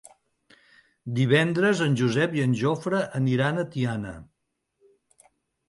Divendres en Josep i en Jofre aniran a Tiana.